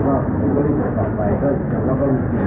แล้วก็คนที่ถูกสอบไปก็จำแล้วก็มีจริง